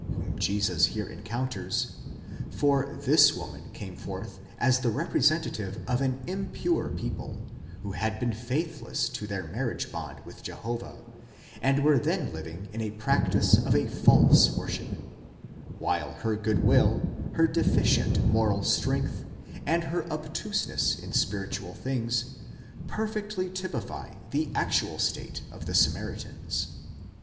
whom Jesus here encounters; for this woman came forth as the representative of an impure people, who had been faithless to their marriage bond with Jehovah, and were then living in the practice of a false worship; while her good will, her deficient moral strength, and her obtuseness in spiritual things, perfectly typify the actual state of the Samaritans.